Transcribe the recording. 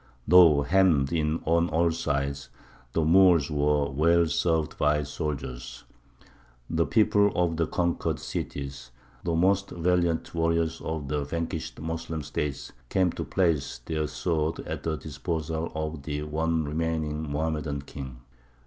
Though hemmed in on all sides, the Moors were well served by soldiers. The people of the conquered cities, the most valiant warriors of the vanquished Moslem states, came to place their swords at the disposal of the one remaining Mohammedan king.